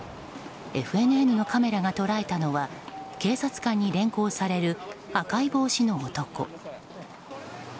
ＦＮＮのカメラが捉えたのは警察官に連行される赤い帽子の男。